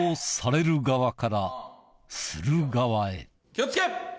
気を付け！